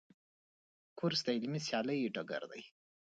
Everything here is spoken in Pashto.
کورس د علمي سیالۍ ډګر دی.